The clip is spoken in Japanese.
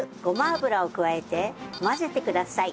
油を加えて混ぜてください。